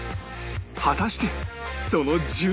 果たしてその順位は